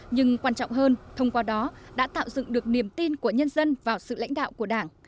nhưng quan trọng hơn thông qua đó đã tạo dựng được niềm tin của nhân dân vào sự lãnh đạo của đảng